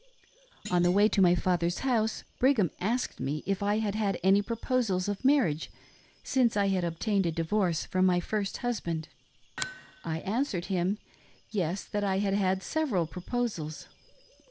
'' On the way to my father's house Brigham asked me if I had had any proposals o| marriage since I had obtained a divorce from my first husband. I answered him, " Yes, that I had had several proposals."